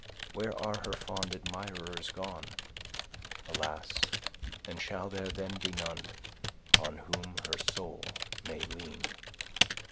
Where are her fond admirers gone? Alas! and shall there then be none On whom her soul may lean?